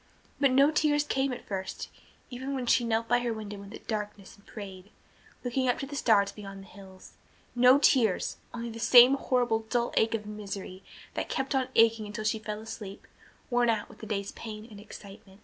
But no tears came at first, even when she knelt by her window in the darkness and prayed, looking up to the stars beyond the hills no tears, only the same horrible dull ache of misery that kept on aching until she fell asleep, worn out with the day's pain and excitement.